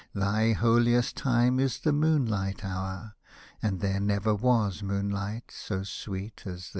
Thy holiest time is the moonlight hour. And there never was moonlight so sweet as this.